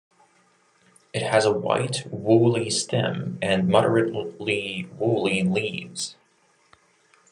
It has a white-woolly stem and moderately woolly leaves.